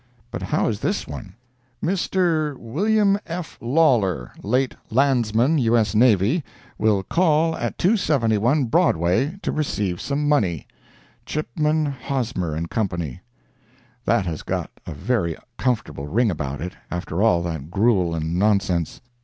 But how is this one? "MR. WM. F. LAWLER, LATE LANDSMAN, U.S. NAVY, WILL call at 271 Broadway, to receive some money. "CHIPMAN, HOSMER & Co." That has got a very comfortable ring about it, after all that gruel and nonsense.